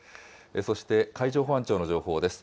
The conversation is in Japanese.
そして、海上保安庁の情報です。